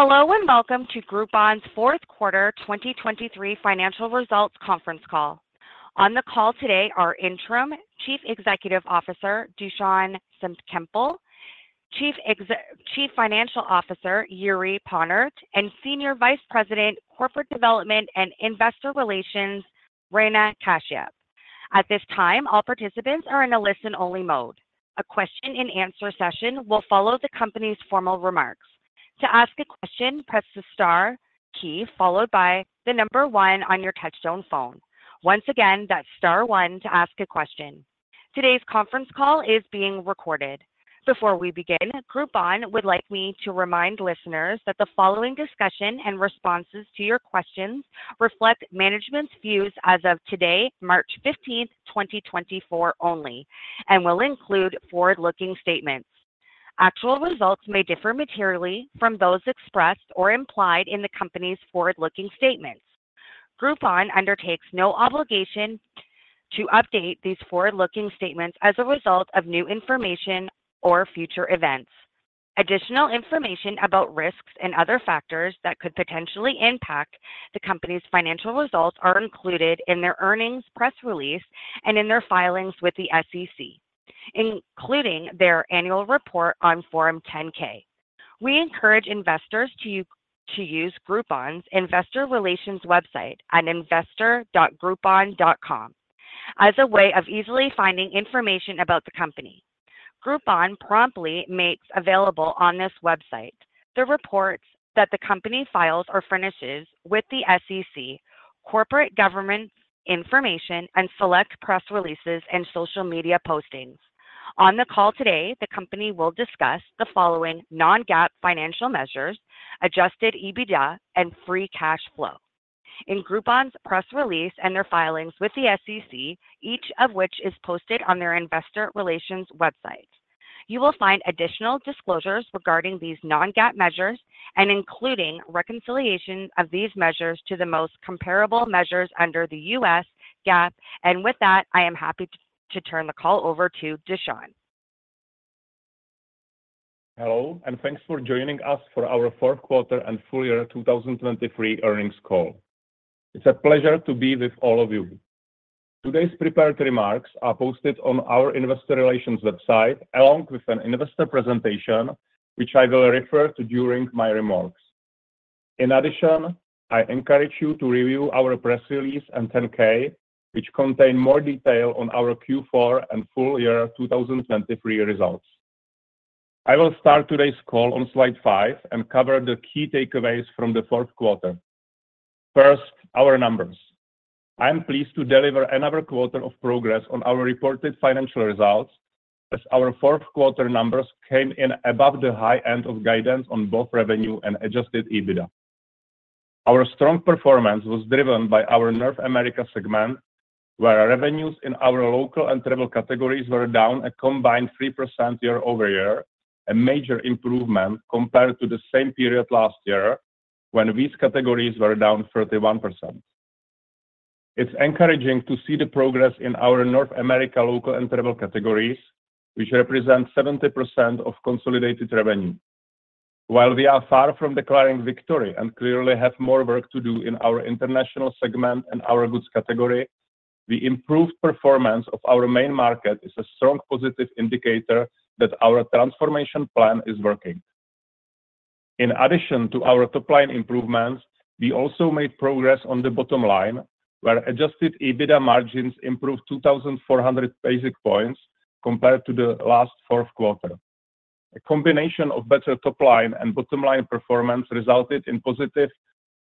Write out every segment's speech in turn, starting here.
Hello and welcome to Groupon's fourth quarter 2023 financial results conference call. On the call today are interim Chief Executive Officer Dusan Senkypl, Chief Financial Officer Jiri Ponrt, and Senior Vice President Corporate Development and Investor Relations Rana Kashyap. At this time, all participants are in a listen-only mode. A question-and-answer session will follow the company's formal remarks. To ask a question, press the star key followed by the number one on your touch-tone phone. Once again, that's star one to ask a question. Today's conference call is being recorded. Before we begin, Groupon would like me to remind listeners that the following discussion and responses to your questions reflect management's views as of today, March 15, 2024 only, and will include forward-looking statements. Actual results may differ materially from those expressed or implied in the company's forward-looking statements. Groupon undertakes no obligation to update these forward-looking statements as a result of new information or future events. Additional information about risks and other factors that could potentially impact the company's financial results are included in their earnings press release and in their filings with the SEC, including their annual report on Form 10-K. We encourage investors to use Groupon's investor relations website at investor.groupon.com as a way of easily finding information about the company. Groupon promptly makes available on this website the reports that the company files or furnishes with the SEC, corporate governance information, and select press releases and social media postings. On the call today, the company will discuss the following non-GAAP financial measures, Adjusted EBITDA, and free cash flow in Groupon's press release and their filings with the SEC, each of which is posted on their investor relations website. You will find additional disclosures regarding these non-GAAP measures, including reconciliation of these measures to the most comparable measures under U.S. GAAP. With that, I am happy to turn the call over to Dusan. Hello, and thanks for joining us for our fourth quarter and full year 2023 earnings call. It's a pleasure to be with all of you. Today's prepared remarks are posted on our investor relations website along with an investor presentation, which I will refer to during my remarks. In addition, I encourage you to review our press release and 10-K, which contain more detail on our Q4 and full year 2023 results. I will start today's call on slide five and cover the key takeaways from the fourth quarter. First, our numbers. I am pleased to deliver another quarter of progress on our reported financial results as our fourth quarter numbers came in above the high end of guidance on both revenue and Adjusted EBITDA. Our strong performance was driven by our North America segment, where revenues in our local and travel categories were down a combined 3% year-over-year, a major improvement compared to the same period last year when these categories were down 31%. It's encouraging to see the progress in our North America local and travel categories, which represent 70% of consolidated revenue. While we are far from declaring victory and clearly have more work to do in our international segment and our goods category, the improved performance of our main market is a strong positive indicator that our transformation plan is working. In addition to our top-line improvements, we also made progress on the bottom line, where Adjusted EBITDA margins improved 2,400 basis points compared to the last fourth quarter. A combination of better top-line and bottom-line performance resulted in positive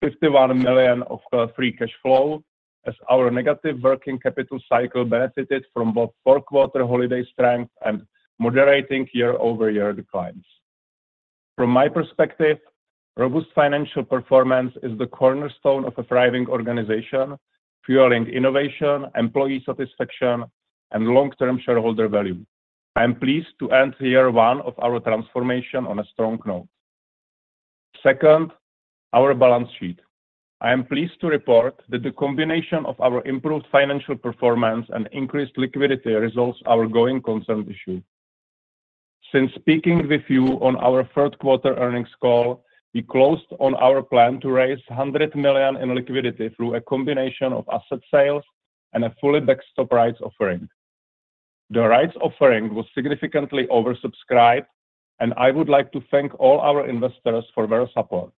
$51 million of free cash flow, as our negative working capital cycle benefited from both fourth quarter holiday strength and moderating year-over-year declines. From my perspective, robust financial performance is the cornerstone of a thriving organization, fueling innovation, employee satisfaction, and long-term shareholder value. I am pleased to end year one of our transformation on a strong note. Second, our balance sheet. I am pleased to report that the combination of our improved financial performance and increased liquidity resolves our going concern issue. Since speaking with you on our third quarter earnings call, we closed on our plan to raise $100 million in liquidity through a combination of asset sales and a fully backstop rights offering. The rights offering was significantly oversubscribed, and I would like to thank all our investors for their support.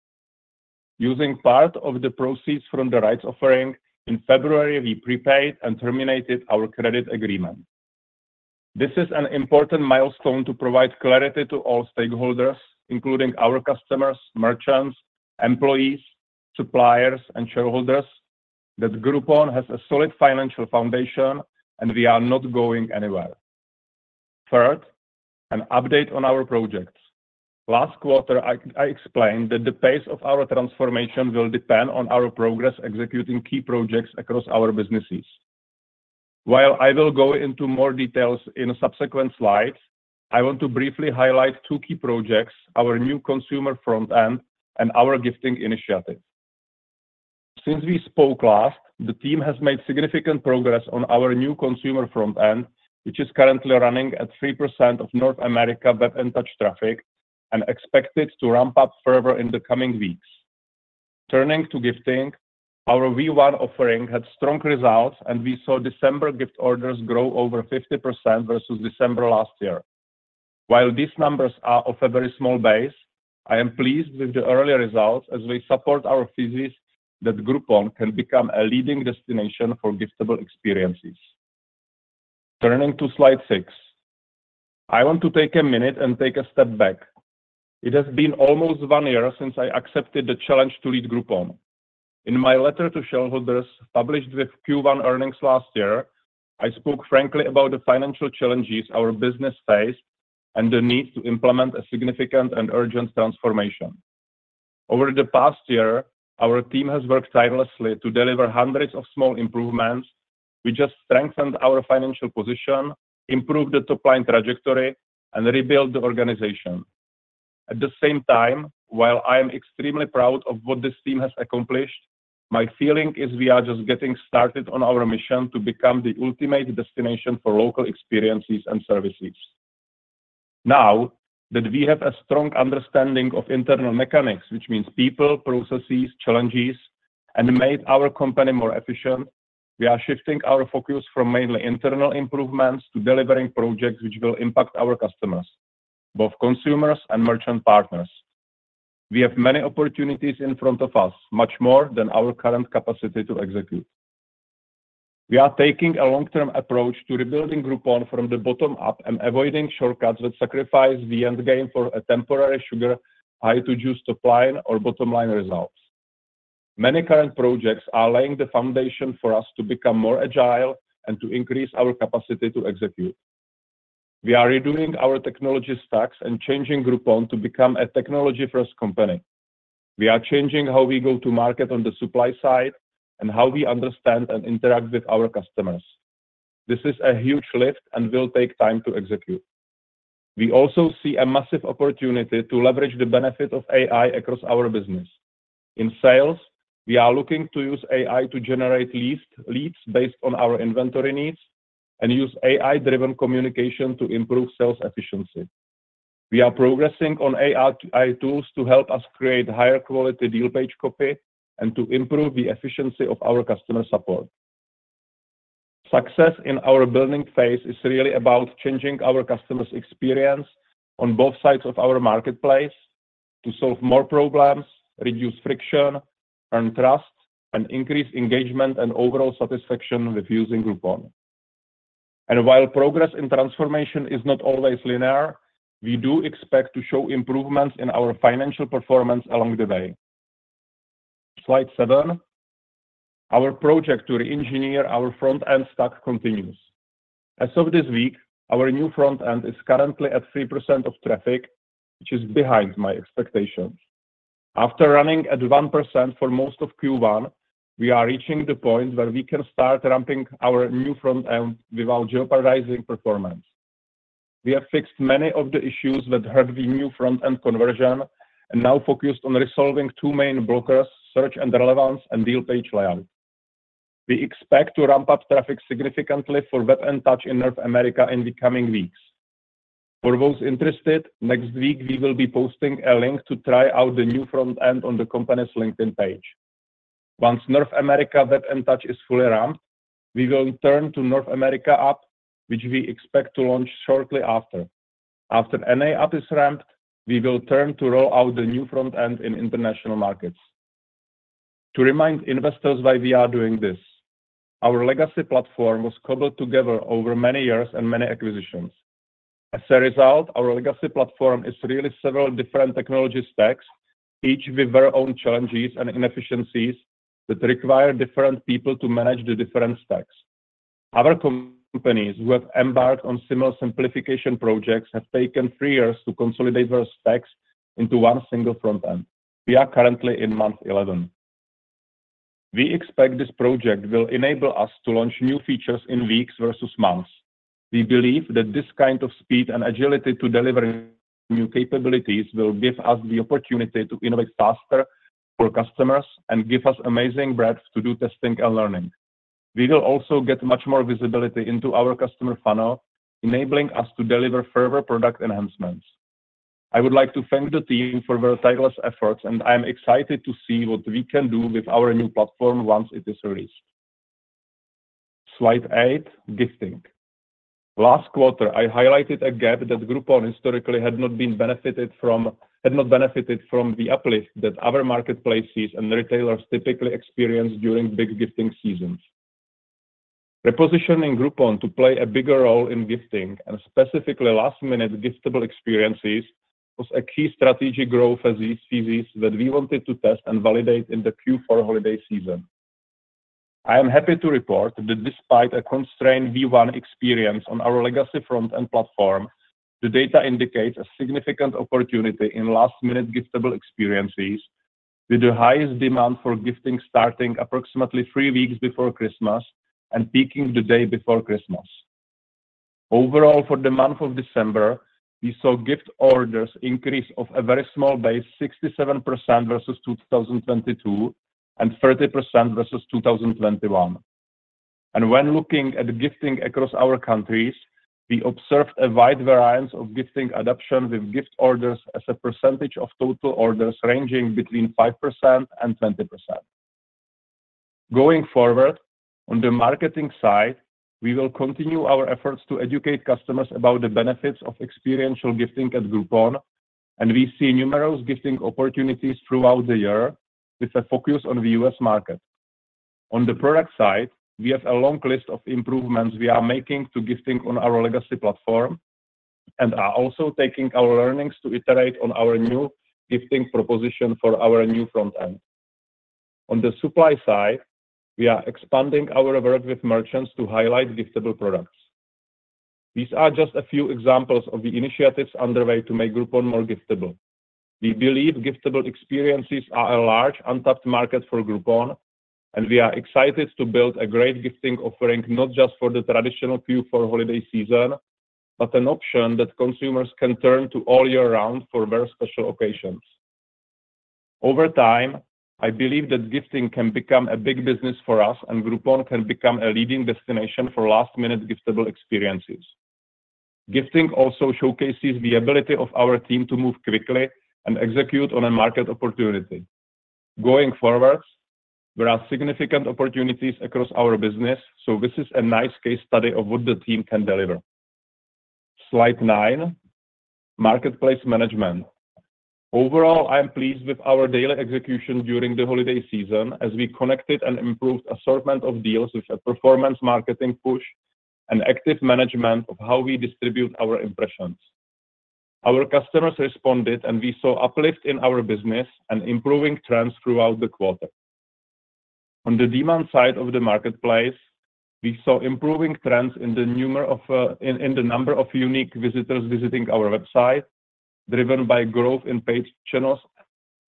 Using part of the proceeds from the rights offering in February, we prepaid and terminated our credit agreement. This is an important milestone to provide clarity to all stakeholders, including our customers, merchants, employees, suppliers, and shareholders, that Groupon has a solid financial foundation and we are not going anywhere. Third, an update on our projects. Last quarter, I explained that the pace of our transformation will depend on our progress executing key projects across our businesses. While I will go into more details in a subsequent slide, I want to briefly highlight two key projects: our new consumer front end and our gifting initiative. Since we spoke last, the team has made significant progress on our new consumer front end, which is currently running at 3% of North America web and touch traffic and expected to ramp up further in the coming weeks. Turning to gifting, our V1 offering had strong results, and we saw December gift orders grow over 50% versus December last year. While these numbers are of a very small base, I am pleased with the early results as they support our thesis that Groupon can become a leading destination for giftable experiences. Turning to slide six. I want to take a minute and take a step back. It has been almost one year since I accepted the challenge to lead Groupon. In my letter to shareholders published with Q1 earnings last year, I spoke frankly about the financial challenges our business faced and the need to implement a significant and urgent transformation. Over the past year, our team has worked tirelessly to deliver hundreds of small improvements. We just strengthened our financial position, improved the top-line trajectory, and rebuilt the organization. At the same time, while I am extremely proud of what this team has accomplished, my feeling is we are just getting started on our mission to become the ultimate destination for local experiences and services. Now that we have a strong understanding of internal mechanics, which means people, processes, challenges, and made our company more efficient, we are shifting our focus from mainly internal improvements to delivering projects which will impact our customers, both consumers and merchant partners. We have many opportunities in front of us, much more than our current capacity to execute. We are taking a long-term approach to rebuilding Groupon from the bottom up and avoiding shortcuts that sacrifice the end game for a temporary sugar high, too juicy top-line or bottom-line results. Many current projects are laying the foundation for us to become more agile and to increase our capacity to execute. We are redoing our technology stacks and changing Groupon to become a technology-first company. We are changing how we go to market on the supply side and how we understand and interact with our customers. This is a huge lift and will take time to execute. We also see a massive opportunity to leverage the benefit of AI across our business. In sales, we are looking to use AI to generate leads based on our inventory needs and use AI-driven communication to improve sales efficiency. We are progressing on AI tools to help us create higher-quality deal page copy and to improve the efficiency of our customer support. Success in our building phase is really about changing our customers' experience on both sides of our marketplace to solve more problems, reduce friction, earn trust, and increase engagement and overall satisfaction with using Groupon. And while progress in transformation is not always linear, we do expect to show improvements in our financial performance along the way. slide seven. Our project to re-engineer our front end stack continues. As of this week, our new front end is currently at 3% of traffic, which is behind my expectations. After running at 1% for most of Q1, we are reaching the point where we can start ramping our new front end without jeopardizing performance. We have fixed many of the issues that hurt the new front end conversion and now focused on resolving two main blockers: search and relevance and deal page layout. We expect to ramp up traffic significantly for web and touch in North America in the coming weeks. For those interested, next week we will be posting a link to try out the new front end on the company's LinkedIn page. Once North America web and touch is fully ramped, we will turn to North America app, which we expect to launch shortly after. After NA app is ramped, we will turn to roll out the new front end in international markets. To remind investors why we are doing this: our legacy platform was cobbled together over many years and many acquisitions. As a result, our legacy platform is really several different technology stacks, each with their own challenges and inefficiencies that require different people to manage the different stacks. Our companies who have embarked on similar simplification projects have taken three years to consolidate their stacks into one single front end. We are currently in month 11. We expect this project will enable us to launch new features in weeks versus months. We believe that this kind of speed and agility to deliver new capabilities will give us the opportunity to innovate faster for customers and give us amazing breadth to do testing and learning. We will also get much more visibility into our customer funnel, enabling us to deliver further product enhancements. I would like to thank the team for their tireless efforts, and I am excited to see what we can do with our new platform once it is released. Slide eight. Gifting. Last quarter, I highlighted a gap that Groupon historically had not benefited from the uplift that other marketplaces and retailers typically experience during big gifting seasons. Repositioning Groupon to play a bigger role in gifting, and specifically last-minute giftable experiences, was a key strategic growth strategy that we wanted to test and validate in the Q4 holiday season. I am happy to report that despite a constrained V1 experience on our legacy front end platform, the data indicates a significant opportunity in last-minute giftable experiences, with the highest demand for gifting starting approximately three weeks before Christmas and peaking the day before Christmas. Overall, for the month of December, we saw gift orders increase off a very small base, 67% versus 2022 and 30% versus 2021. When looking at gifting across our countries, we observed a wide variance of gifting adoption with gift orders as a percentage of total orders ranging between 5% and 20%. Going forward, on the marketing side, we will continue our efforts to educate customers about the benefits of experiential gifting at Groupon, and we see numerous gifting opportunities throughout the year with a focus on the U.S. market. On the product side, we have a long list of improvements we are making to gifting on our legacy platform and are also taking our learnings to iterate on our new gifting proposition for our new front end. On the supply side, we are expanding our work with merchants to highlight giftable products. These are just a few examples of the initiatives underway to make Groupon more giftable. We believe giftable experiences are a large, untapped market for Groupon, and we are excited to build a great gifting offering not just for the traditional Q4 holiday season, but an option that consumers can turn to all year round for very special occasions. Over time, I believe that gifting can become a big business for us and Groupon can become a leading destination for last-minute giftable experiences. Gifting also showcases the ability of our team to move quickly and execute on a market opportunity. Going forward, there are significant opportunities across our business, so this is a nice case study of what the team can deliver. Slide nine. Marketplace management. Overall, I am pleased with our daily execution during the holiday season as we connected and improved assortment of deals with a performance marketing push and active management of how we distribute our impressions. Our customers responded, and we saw uplift in our business and improving trends throughout the quarter. On the demand side of the marketplace, we saw improving trends in the number of unique visitors visiting our website, driven by growth in paid channels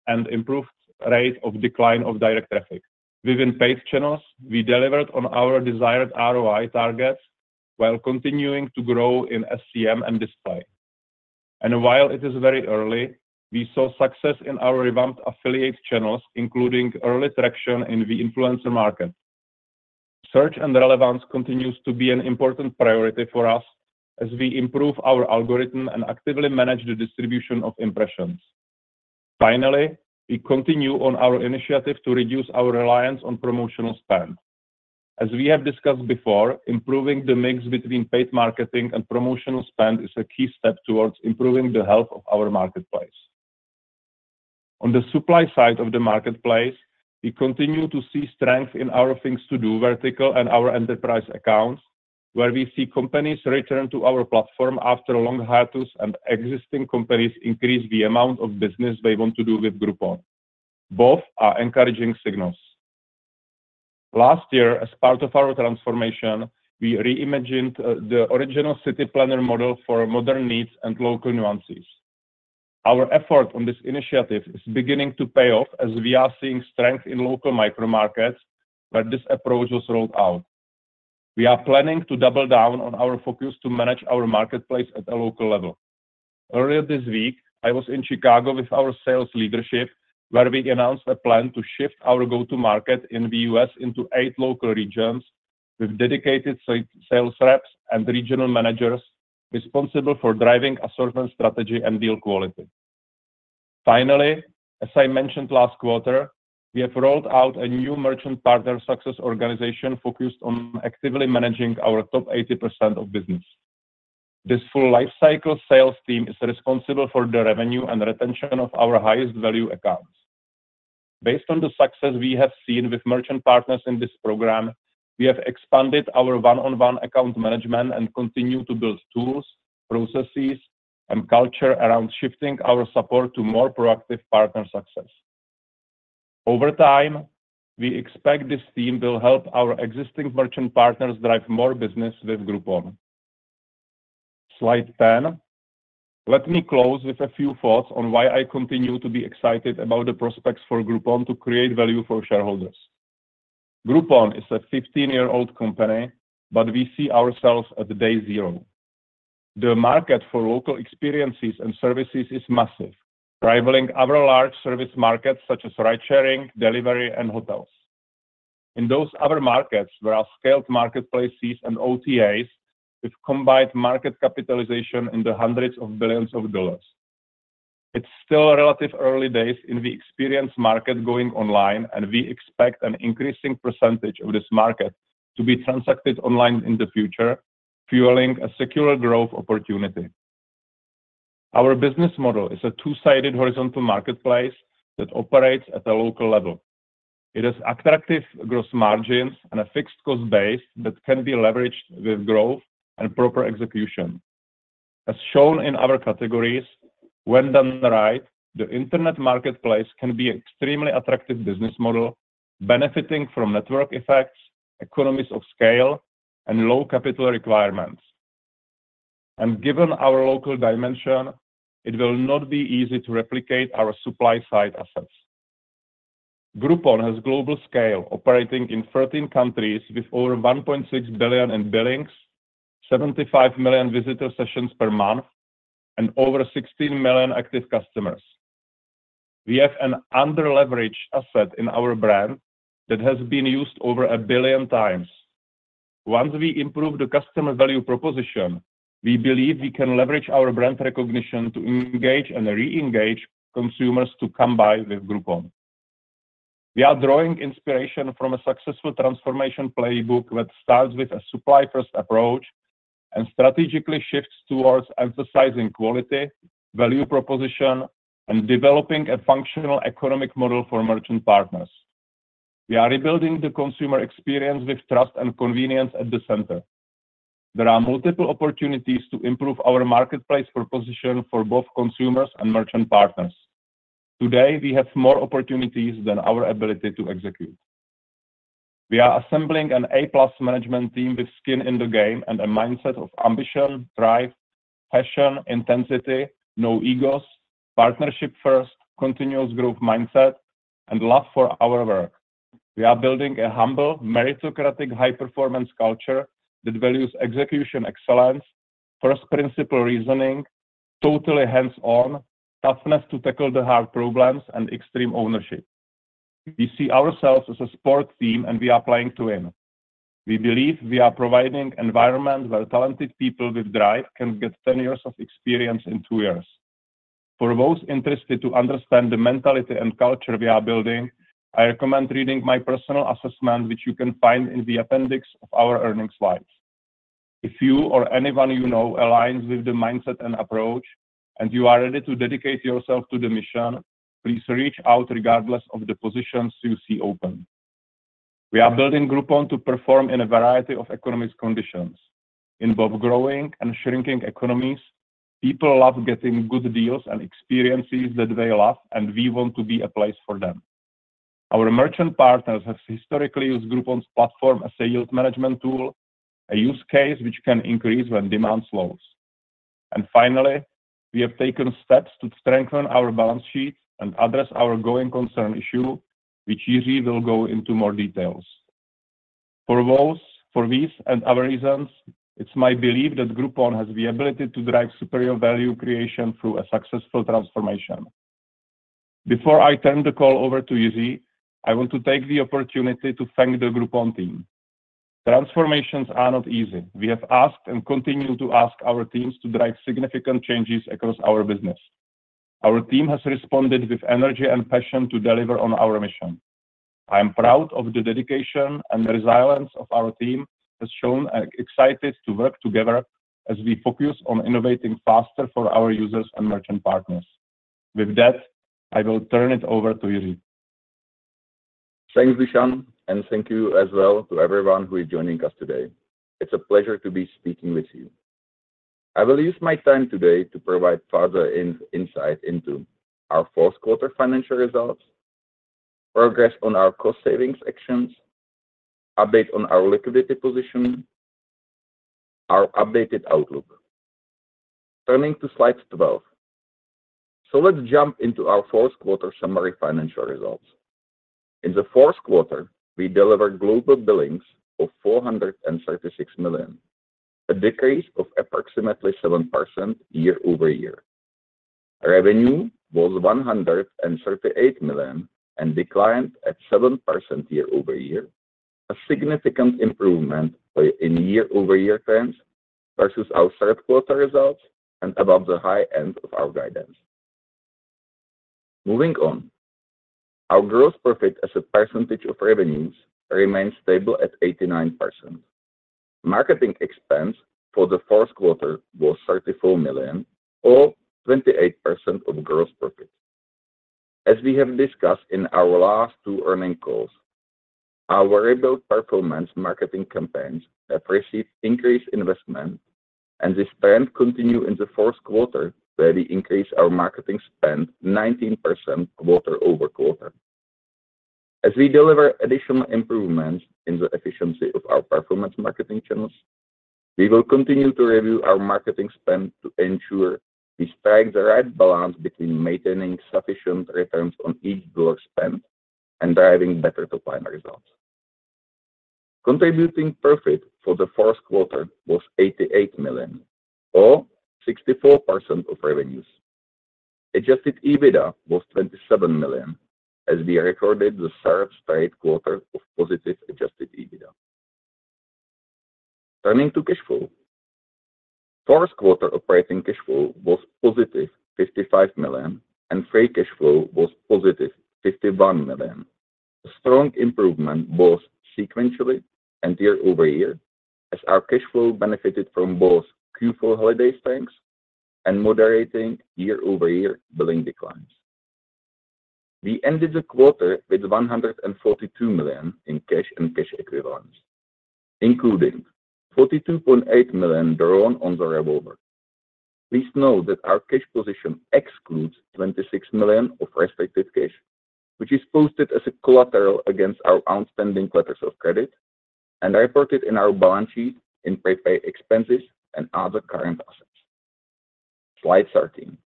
and improved rate of decline of direct traffic. Within paid channels, we delivered on our desired ROI targets while continuing to grow in SEM and display. While it is very early, we saw success in our revamped affiliate channels, including early traction in the influencer market. Search and relevance continues to be an important priority for us as we improve our algorithm and actively manage the distribution of impressions. Finally, we continue on our initiative to reduce our reliance on promotional spend. As we have discussed before, improving the mix between paid marketing and promotional spend is a key step towards improving the health of our marketplace. On the supply side of the marketplace, we continue to see strength in our things to do vertical and our enterprise accounts, where we see companies return to our platform after long hiatus and existing companies increase the amount of business they want to do with Groupon. Both are encouraging signals. Last year, as part of our transformation, we reimagined the original city planner model for modern needs and local nuances. Our effort on this initiative is beginning to pay off as we are seeing strength in local micro-markets where this approach was rolled out. We are planning to double down on our focus to manage our marketplace at a local level. Earlier this week, I was in Chicago with our sales leadership, where we announced a plan to shift our go-to-market in the U.S. into eight local regions with dedicated sales reps and regional managers responsible for driving assortment strategy and deal quality. Finally, as I mentioned last quarter, we have rolled out a new merchant partner success organization focused on actively managing our top 80% of business. This full lifecycle sales team is responsible for the revenue and retention of our highest-value accounts. Based on the success we have seen with merchant partners in this program, we have expanded our one-on-one account management and continue to build tools, processes, and culture around shifting our support to more proactive partner success. Over time, we expect this team will help our existing merchant partners drive more business with Groupon. Slide 10. Let me close with a few thoughts on why I continue to be excited about the prospects for Groupon to create value for shareholders. Groupon is a 15-year-old company, but we see ourselves at day zero. The market for local experiences and services is massive, rivaling other large service markets such as ride-sharing, delivery, and hotels. In those other markets, there are scaled marketplaces and OTAs with combined market capitalization in the hundreds of billions of dollars. It's still relatively early days in the experience market going online, and we expect an increasing percentage of this market to be transacted online in the future, fueling a secure growth opportunity. Our business model is a two-sided horizontal marketplace that operates at a local level. It has attractive gross margins and a fixed cost base that can be leveraged with growth and proper execution. As shown in our categories, when done right, the internet marketplace can be an extremely attractive business model, benefiting from network effects, economies of scale, and low capital requirements. Given our local dimension, it will not be easy to replicate our supply-side assets. Groupon has global scale, operating in 13 countries with over $1.6 billion in billings, 75 million visitor sessions per month, and over 16 million active customers. We have an under-leveraged asset in our brand that has been used over a billion times. Once we improve the customer value proposition, we believe we can leverage our brand recognition to engage and re-engage consumers to come buy with Groupon. We are drawing inspiration from a successful transformation playbook that starts with a supply-first approach and strategically shifts towards emphasizing quality, value proposition, and developing a functional economic model for merchant partners. We are rebuilding the consumer experience with trust and convenience at the center. There are multiple opportunities to improve our marketplace proposition for both consumers and merchant partners. Today, we have more opportunities than our ability to execute. We are assembling an A-plus management team with skin in the game and a mindset of ambition, drive, passion, intensity, no egos, partnership-first, continuous growth mindset, and love for our work. We are building a humble, meritocratic high-performance culture that values execution excellence, first-principle reasoning, totally hands-on, toughness to tackle the hard problems, and extreme ownership. We see ourselves as a sport team, and we are playing to win. We believe we are providing an environment where talented people with drive can get 10 years of experience in two years. For those interested to understand the mentality and culture we are building, I recommend reading my personal assessment, which you can find in the appendix of our earnings slides. If you or anyone you know aligns with the mindset and approach, and you are ready to dedicate yourself to the mission, please reach out regardless of the positions you see open. We are building Groupon to perform in a variety of economic conditions. In both growing and shrinking economies, people love getting good deals and experiences that they love, and we want to be a place for them. Our merchant partners have historically used Groupon's platform as a yield management tool, a use case which can increase when demand slows. And finally, we have taken steps to strengthen our balance sheet and address our going concern issue, which Jiri will go into more details. For these and other reasons, it's my belief that Groupon has the ability to drive superior value creation through a successful transformation. Before I turn the call over to Jiri, I want to take the opportunity to thank the Groupon team. Transformations are not easy. We have asked and continue to ask our teams to drive significant changes across our business. Our team has responded with energy and passion to deliver on our mission. I am proud of the dedication and resilience of our team as shown and excited to work together as we focus on innovating faster for our users and merchant partners. With that, I will turn it over to Jiri. Thanks, Dusan, and thank you as well to everyone who is joining us today. It's a pleasure to be speaking with you. I will use my time today to provide further insight into our fourth quarter financial results, progress on our cost-savings actions, update on our liquidity position, our updated outlook. Turning to slide 12. Let's jump into our fourth quarter summary financial results. In the fourth quarter, we delivered global billings of $436 million, a decrease of approximately 7% year-over-year. Revenue was $138 million and declined at 7% year-over-year, a significant improvement in year-over-year trends versus our third quarter results and above the high end of our guidance. Moving on. Our gross profit as a percentage of revenues remains stable at 89%. Marketing expense for the fourth quarter was $34 million, or 28% of gross profit. As we have discussed in our last two earnings calls, our rebuilt performance marketing campaigns have received increased investment, and this trend continues in the fourth quarter where we increase our marketing spend 19% quarter-over-quarter. As we deliver additional improvements in the efficiency of our performance marketing channels, we will continue to review our marketing spend to ensure we strike the right balance between maintaining sufficient returns on each dollar spent and driving better topline results. Contributing profit for the fourth quarter was $88 million, or 64% of revenues. Adjusted EBITDA was $27 million as we recorded the third straight quarter of positive adjusted EBITDA. Turning to cash flow. Fourth quarter operating cash flow was positive $55 million, and free cash flow was positive $51 million. A strong improvement both sequentially and year-over-year as our cash flow benefited from both Q4 holiday strengths and moderating year-over-year billing declines. We ended the quarter with $142 million in cash and cash equivalents, including $42.8 million drawn on the revolver. Please note that our cash position excludes $26 million of restricted cash, which is posted as collateral against our outstanding letters of credit and reported in our balance sheet in prepaid expenses and other current assets. Slide 13.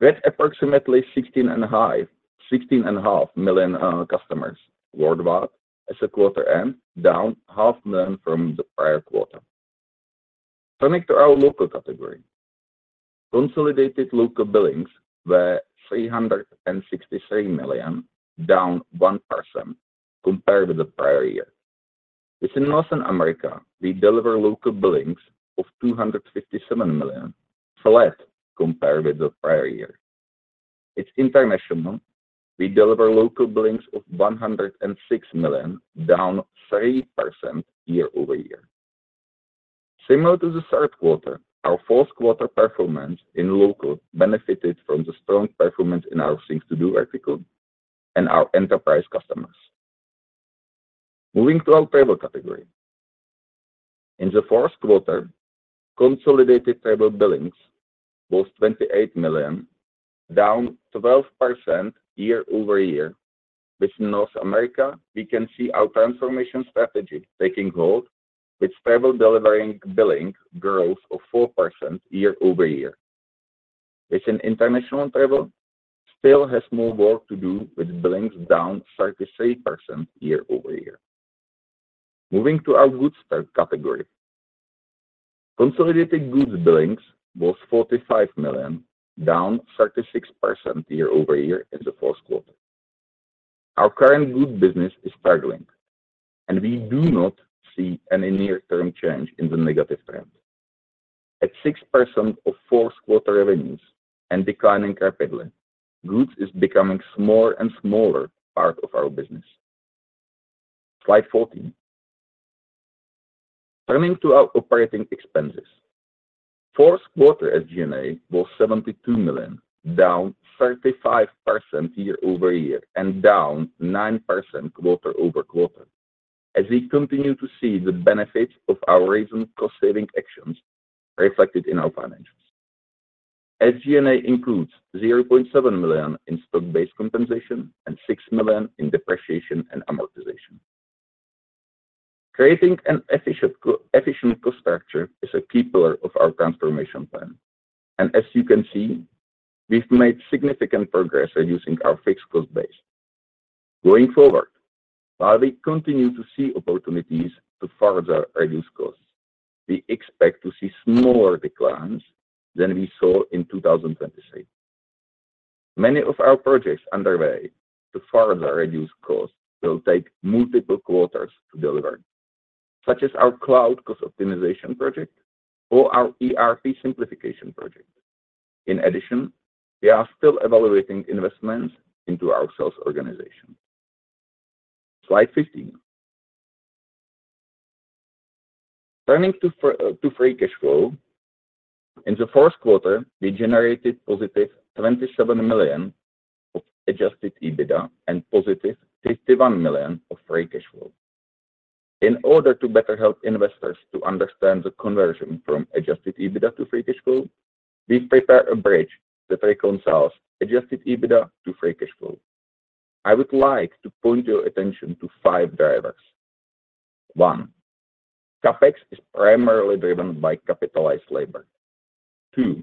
With approximately 16.5 million customers worldwide as of quarter end, down 0.5 million from the prior quarter. Turning to our local category. Consolidated local billings were $363 million, down 1% compared with the prior year. Within North America, we deliver local billings of $257 million, flat compared with the prior year. It's international. We deliver local billings of $106 million, down 3% year-over-year. Similar to the third quarter, our fourth quarter performance in local benefited from the strong performance in our things-to-do vertical and our enterprise customers. Moving to our travel category. In the fourth quarter, consolidated travel billings was $28 million, down 12% year-over-year. Within North America, we can see our transformation strategy taking hold, with travel delivering billing growth of 4% year-over-year. Within international travel, still has more work to do with billings down 33% year-over-year. Moving to our goods category. Consolidated goods billings was $45 million, down 36% year-over-year in the fourth quarter. Our current goods business is struggling, and we do not see any near-term change in the negative trend. At 6% of fourth quarter revenues and declining rapidly, goods is becoming a smaller and smaller part of our business. Slide 14. Turning to our operating expenses. Fourth quarter G&A was $72 million, down 35% year-over-year and down 9% quarter-over-quarter as we continue to see the benefits of our recent cost-saving actions reflected in our finances. As G&A includes $0.7 million in stock-based compensation and $6 million in depreciation and amortization. Creating an efficient cost structure is a key pillar of our transformation plan, and as you can see, we've made significant progress reducing our fixed cost base. Going forward, while we continue to see opportunities to further reduce costs, we expect to see smaller declines than we saw in 2023. Many of our projects underway to further reduce costs will take multiple quarters to deliver, such as our cloud cost optimization project or our ERP simplification project. In addition, we are still evaluating investments into our sales organization. Slide 15. Turning to free cash flow. In the fourth quarter, we generated positive $27 million of adjusted EBITDA and positive $51 million of free cash flow. In order to better help investors to understand the conversion from adjusted EBITDA to free cash flow, we've prepared a bridge that reconciles adjusted EBITDA to free cash flow. I would like to point your attention to five drivers. One, CapEx is primarily driven by capitalized labor. Two,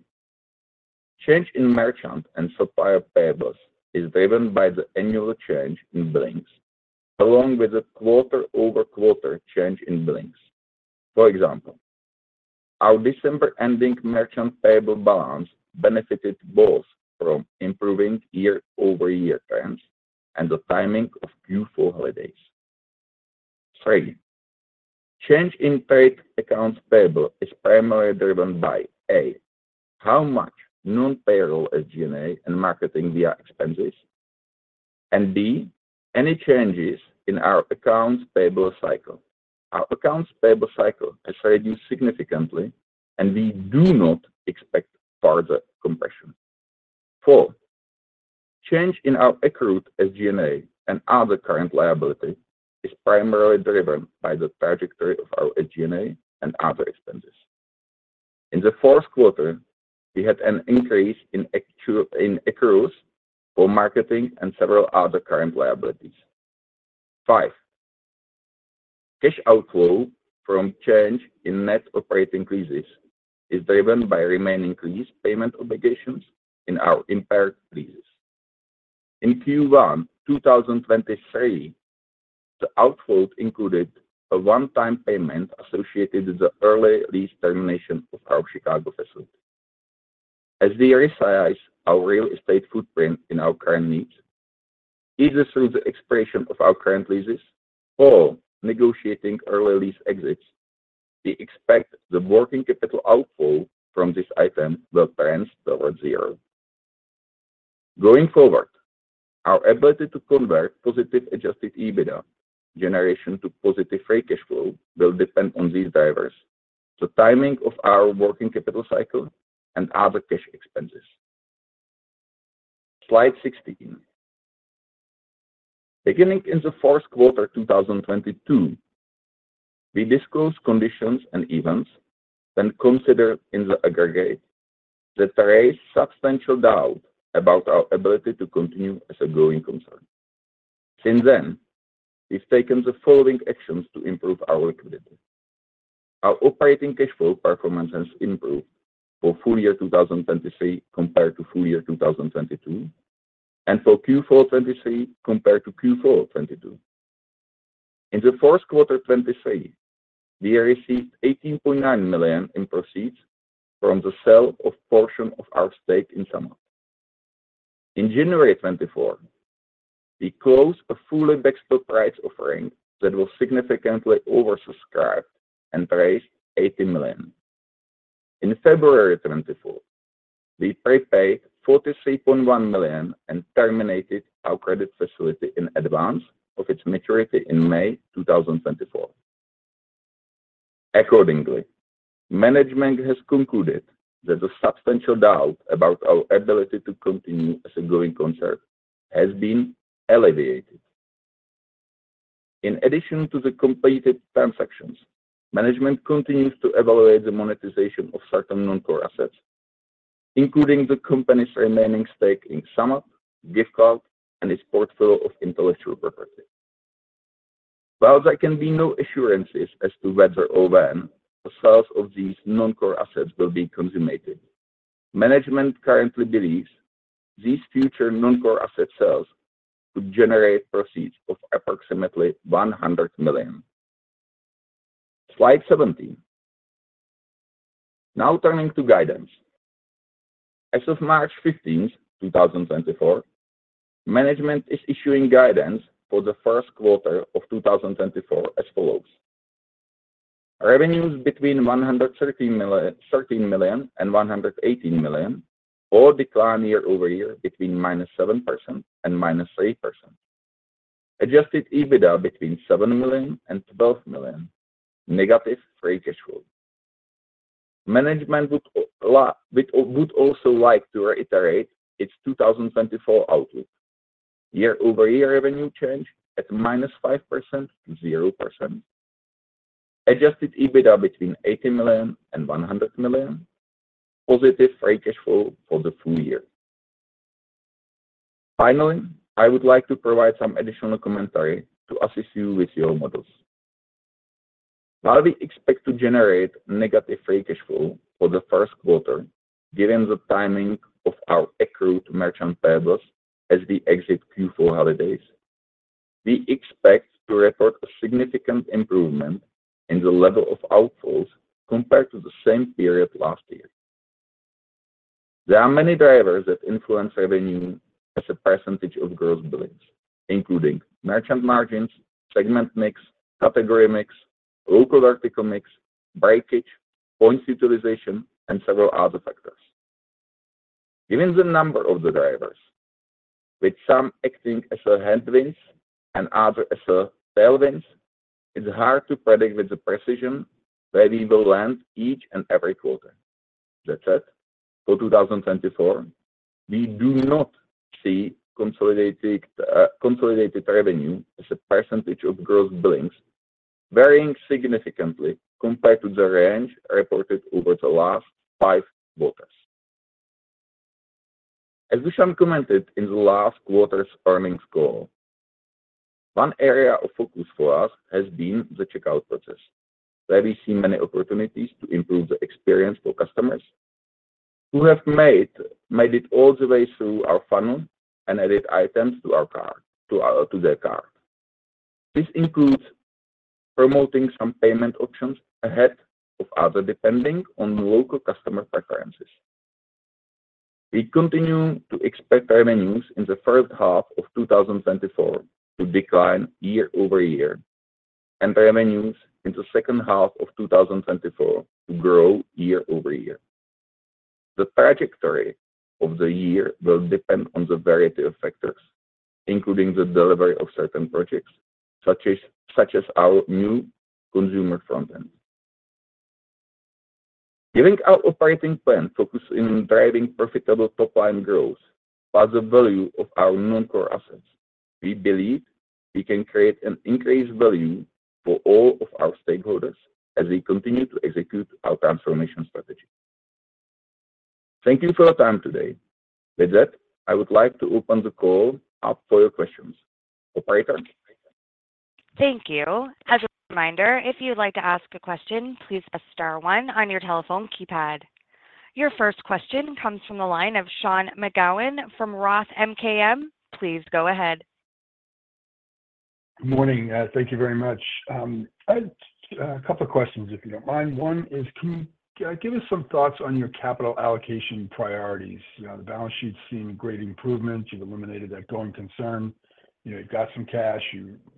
change in merchant and supplier payables is driven by the annual change in billings, along with the quarter-over-quarter change in billings. For example, our December-ending merchant payable balance benefited both from improving year-over-year trends and the timing of Q4 holidays. Three, change in paid accounts payable is primarily driven by, A, how much non-payroll G&A and marketing expenses, and B, any changes in our accounts payable cycle. Our accounts payable cycle has reduced significantly, and we do not expect further compression. Four, change in our accrued G&A and other current liability is primarily driven by the trajectory of our G&A and other expenses. In the fourth quarter, we had an increase in accruals for marketing and several other current liabilities. Five, cash outflow from change in net operating decreases is driven by remaining lease payment obligations in our impaired leases. In Q1 2023, the outflow included a one-time payment associated with the early lease termination of our Chicago facility. As we resize our real estate footprint in our current needs, either through the expiration of our current leases or negotiating early lease exits, we expect the working capital outflow from this item will trend towards zero. Going forward, our ability to convert positive Adjusted EBITDA generation to positive free cash flow will depend on these drivers: the timing of our working capital cycle and other cash expenses. Slide 16. Beginning in the fourth quarter 2022, we disclosed conditions and events then considered in the aggregate that raised substantial doubt about our ability to continue as a going concern. Since then, we've taken the following actions to improve our liquidity. Our operating cash flow performance has improved for full year 2023 compared to full year 2022 and for Q4 2023 compared to Q4 2022. In the fourth quarter 2023, we received $18.9 million in proceeds from the sale of a portion of our stake in SumUp. In January 2024, we closed a fully backstopped rights offering that was significantly oversubscribed and raised $80 million. In February 2024, we prepaid $43.1 million and terminated our credit facility in advance of its maturity in May 2024. Accordingly, management has concluded that the substantial doubt about our ability to continue as a going concern has been alleviated. In addition to the completed transactions, management continues to evaluate the monetization of certain non-core assets, including the company's remaining stake in SumUp, Giftcloud, and its portfolio of intellectual property. While there can be no assurances as to whether or when the sales of these non-core assets will be consummated, management currently believes these future non-core asset sales could generate proceeds of approximately $100 million. Slide 17. Now turning to guidance. As of March 15, 2024, management is issuing guidance for the first quarter of 2024 as follows. Revenues between $113 million and $118 million or a decline year-over-year between -7% and -3%. Adjusted EBITDA between $7 million and $12 million, negative free cash flow. Management would also like to reiterate its 2024 outlook: year-over-year revenue change at -5% to 0%. Adjusted EBITDA between $80 million and $100 million. Positive free cash flow for the full year. Finally, I would like to provide some additional commentary to assist you with your models. While we expect to generate negative free cash flow for the first quarter given the timing of our accrued merchant payables as we exit Q4 holidays, we expect to report a significant improvement in the level of outflows compared to the same period last year. There are many drivers that influence revenue as a percentage of gross billings, including merchant margins, segment mix, category mix, local article mix, breakage, points utilization, and several other factors. Given the number of the drivers, with some acting as a headwind and other as a tailwind, it's hard to predict with precision where we will land each and every quarter. That said, for 2024, we do not see consolidated revenue as a percentage of gross billings varying significantly compared to the range reported over the last five quarters. As Dusan commented in the last quarter's earnings call, one area of focus for us has been the checkout process where we see many opportunities to improve the experience for customers who have made it all the way through our funnel and added items to their cart. This includes promoting some payment options ahead of others depending on local customer preferences. We continue to expect revenues in the first half of 2024 to decline year-over-year and revenues in the second half of 2024 to grow year-over-year. The trajectory of the year will depend on the variety of factors, including the delivery of certain projects such as our new consumer front end. Giving our operating plan focus in driving profitable top-line growth plus the value of our non-core assets, we believe we can create an increased value for all of our stakeholders as we continue to execute our transformation strategy. Thank you for your time today. With that, I would like to open the call up for your questions. Operator? Thank you. As a reminder, if you'd like to ask a question, please press star one on your telephone keypad. Your first question comes from the line of Sean McGowan from Roth MKM. Please go ahead. Good morning. Thank you very much. A couple of questions if you don't mind. One is, can you give us some thoughts on your capital allocation priorities? The balance sheet's seen great improvement. You've eliminated that going concern. You've got some cash.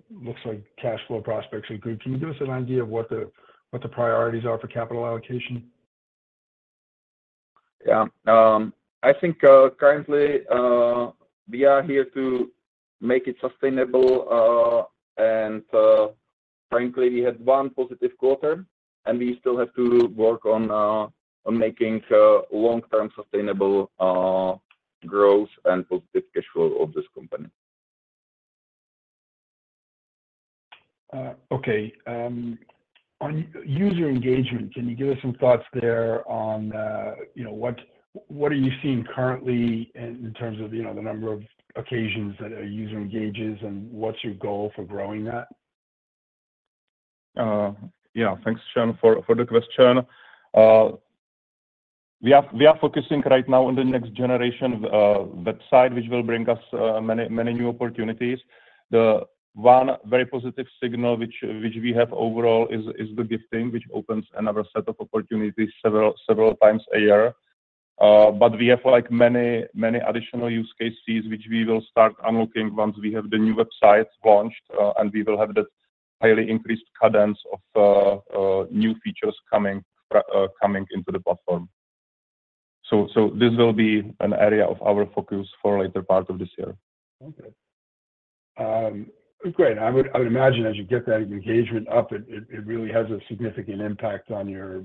Looks like cash flow prospects are good. Can you give us an idea of what the priorities are for capital allocation? Yeah. I think currently, we are here to make it sustainable. Frankly, we had one positive quarter, and we still have to work on making long-term sustainable growth and positive cash flow of this company. Okay. On user engagement, can you give us some thoughts there on what are you seeing currently in terms of the number of occasions that a user engages and what's your goal for growing that? Yeah. Thanks, Sean, for the question. We are focusing right now on the next generation website, which will bring us many new opportunities. The one very positive signal which we have overall is the gifting, which opens another set of opportunities several times a year. But we have many additional use cases which we will start unlocking once we have the new website launched, and we will have that highly increased cadence of new features coming into the platform. So this will be an area of our focus for later part of this year. Okay. Great. I would imagine as you get that engagement up, it really has a significant impact on your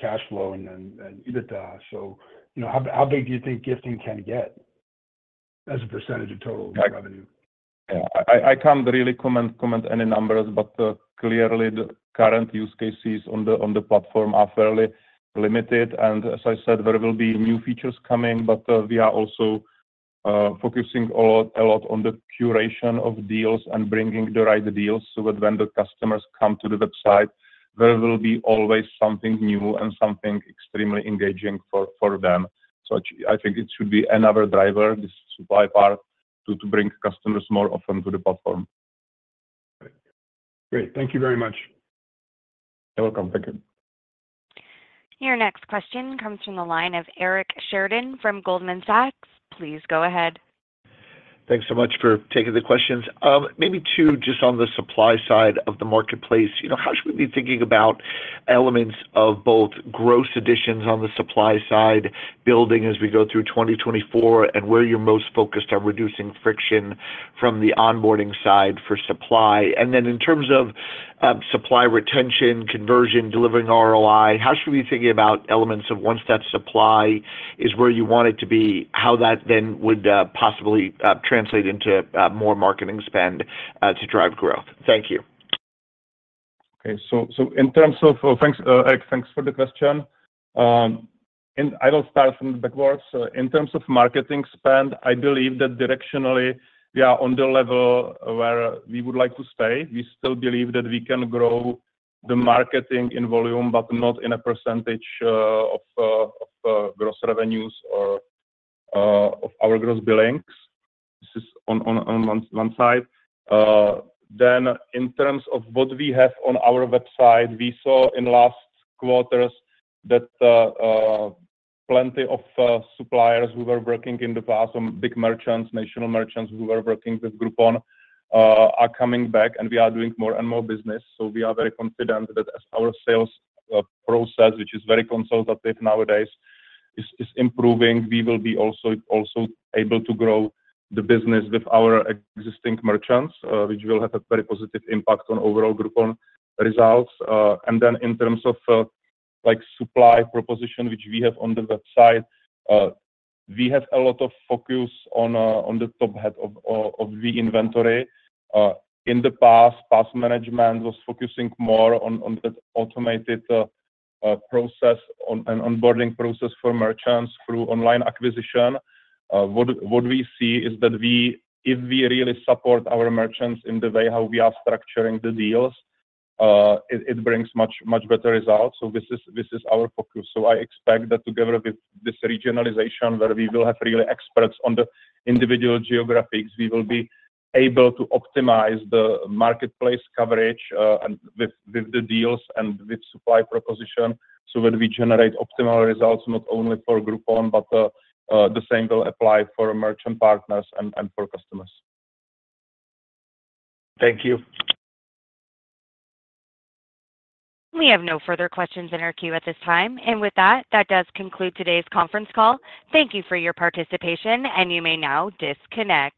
cash flow and EBITDA. So how big do you think gifting can get as a percentage of total revenue? Yeah. I can't really comment any numbers, but clearly, the current use cases on the platform are fairly limited. And as I said, there will be new features coming, but we are also focusing a lot on the curation of deals and bringing the right deals so that when the customers come to the website, there will be always something new and something extremely engaging for them. So I think it should be another driver, this supply part, to bring customers more often to the platform. Great. Thank you very much. You're welcome. Thank you. Your next question comes from the line of Eric Sheridan from Goldman Sachs. Please go ahead. Thanks so much for taking the questions. Maybe two, just on the supply side of the marketplace. How should we be thinking about elements of both gross additions on the supply side building as we go through 2024 and where you're most focused on reducing friction from the onboarding side for supply? And then in terms of supply retention, conversion, delivering ROI, how should we be thinking about elements of once that supply is where you want it to be, how that then would possibly translate into more marketing spend to drive growth? Thank you. Okay. So, thanks, Eric. Thanks for the question. I will start from the backwards. In terms of marketing spend, I believe that directionally, we are on the level where we would like to stay. We still believe that we can grow the marketing in volume, but not in a percentage of gross revenues or of our gross billings. This is on one side. Then in terms of what we have on our website, we saw in last quarters that plenty of suppliers who were working in the past, big merchants, national merchants who were working with Groupon, are coming back, and we are doing more and more business. So we are very confident that as our sales process, which is very consultative nowadays, is improving, we will be also able to grow the business with our existing merchants, which will have a very positive impact on overall Groupon results. And then in terms of supply proposition, which we have on the website, we have a lot of focus on the top head of the inventory. In the past, past management was focusing more on the automated process and onboarding process for merchants through online acquisition. What we see is that if we really support our merchants in the way how we are structuring the deals, it brings much better results. So this is our focus. So I expect that together with this regionalization where we will have really experts on the individual geographies, we will be able to optimize the marketplace coverage with the deals and with supply proposition so that we generate optimal results not only for Groupon, but the same will apply for merchant partners and for customers. Thank you. We have no further questions in our queue at this time. With that, that does conclude today's conference call. Thank you for your participation, and you may now disconnect.